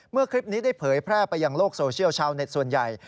คลิปนี้ได้เผยแพร่ไปยังโลกโซเชียลชาวเน็ตส่วนใหญ่